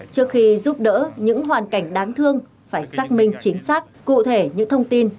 trước khi giúp đỡ những hoàn cảnh đáng thương phải xác minh chính xác cụ thể những thông tin